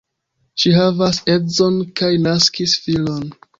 Ŝi havas edzon kaj naskis filon.